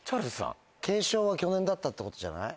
継承は去年だったってことじゃない？